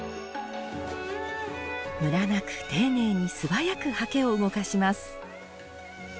ムラなく丁寧に素早く刷毛を動かします。